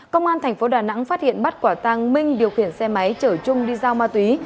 công an thành phố đà nẵng phát hiện bắt quả tăng minh điều khiển xe máy chở trung đi giao ma túy